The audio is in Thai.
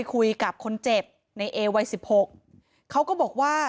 เหตุการณ์เกิดขึ้นแถวคลองแปดลำลูกกา